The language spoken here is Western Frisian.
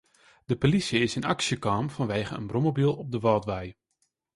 De plysje is yn aksje kaam fanwegen in brommobyl op de Wâldwei.